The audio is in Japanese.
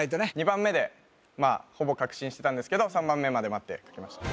２番目でほぼ確信してたんですけど３番目まで待って書きました